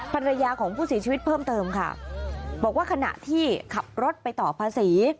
ภรรยาของผู้เสียชีวิตเพิ่มเติมค่ะบอกว่าขณะที่ขับรถไปต่อภาษี